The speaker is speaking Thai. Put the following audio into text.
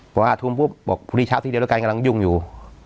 พอ๕ทุ่มปุ๊บปุ๊บปุฎช้าที่เดียวล่ะกันกำลังหยุ่งอยู่